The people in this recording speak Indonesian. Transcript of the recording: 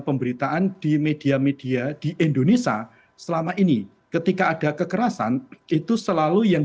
pemberitaan di media media di indonesia selama ini ketika ada kekerasan itu selalu yang